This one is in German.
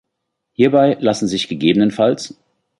Hierbei lassen sich ggf.